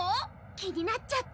気になっちゃって。